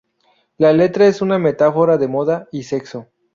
La letra es una metáfora de moda y sexo.